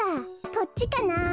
こっちかなあ。